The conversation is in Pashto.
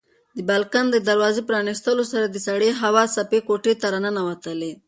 د بالکن د دروازې په پرانیستلو سره د سړې هوا څپې کوټې ته راننوتلې.